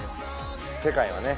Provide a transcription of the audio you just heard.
世界はね